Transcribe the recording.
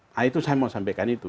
nah itu saya mau sampaikan itu